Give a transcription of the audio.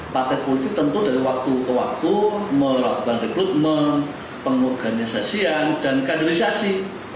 partai politik tentu dari waktu ke waktu melakukan rekrutmen pengorganisasian dan kaderisasi